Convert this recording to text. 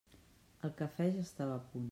El cafè ja estava a punt.